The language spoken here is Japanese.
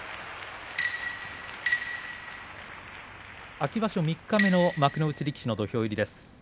秋場所三日目の幕内力士の土俵入りです。